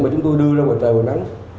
mà chúng tôi đưa ra ngoài trời bờ nắng